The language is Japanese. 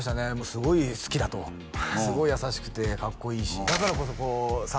「すごい好きだ」と「すごい優しくてかっこいいしだからこそこう」